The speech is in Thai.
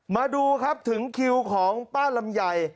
มาดูครับถึงคิวของป้าลำไย